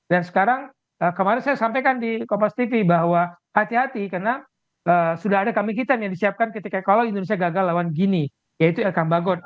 dan sekarang kemarin saya sampaikan di kompas tv bahwa hati hati karena sudah ada kemikiran yang disiapkan ketika indonesia gagal lawan gini yaitu elkambagot